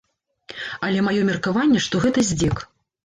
Але маё меркаванне, што гэта здзек.